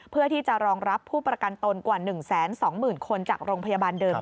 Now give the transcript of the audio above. เพื่อที่จะรองรับผู้ประกันตนกว่า๑๒๐๐๐คนจากโรงพยาบาลเดิม